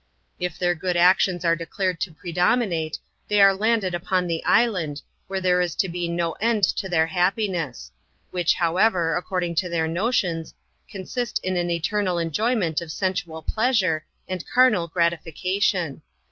If their good actions are declared to predominate, they are landed upon the island, where there is to be no end to their happiness; which, however, accord ing to their notions, consist in an eternal enjoyment of sen sual pleasure, and carnal gratification.